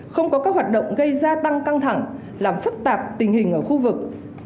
không có các hoạt động gây gia tăng căng thẳng làm phức tạp tình hình ở khu vực